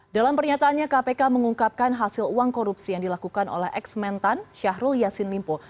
dalam pernyataannya kpk mengungkapkan hasil uang korupsi yang dilakukan oleh ex mentan syahrul yassin limpo